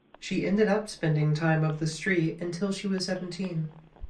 She ended up spending time of the street until she was seventeen.